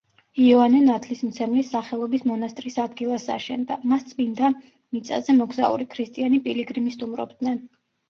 იოანე ნათლისმცემლის სახელობის მონასტრის ადგილას აშენდა, მას წმინდა მიწაზე მოგზაური ქრისტიანი პილიგრიმი სტუმრობდნენ.